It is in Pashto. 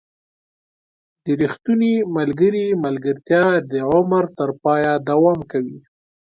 • د ریښتوني ملګري ملګرتیا د عمر تر پایه دوام کوي.